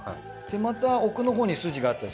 また奥のほうに筋があったり。